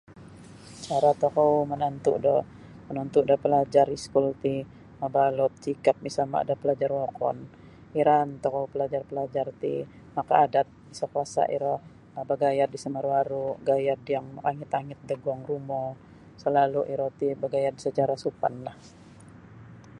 Cara tokou menantu da menantu da pelajar iskul ti mabalut sikap misama da pelajar wokon iraan tokou pelajar pelajar ti maka adat sa kuasa iro no bagayad da sa maru-aru gayad yang makangit-angit da guang rumo selalu iro ti bagayad secara supan lah.